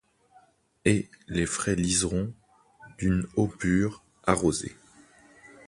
Et les frais liserons d'une eau pure arrosés